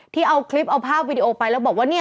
ที่เอาคลิปเอาภาพวิดีโอไปแล้วบอกว่าเนี่ย